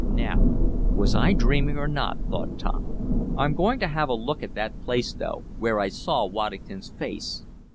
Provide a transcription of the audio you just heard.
"Now was I dreaming or not?" thought Tom. "I'm going to have a look at that place though, where I saw Waddington's face.